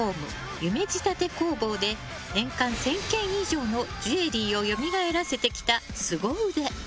夢仕立工房で年間１０００件以上のジュエリーをよみがえらせてきた凄腕。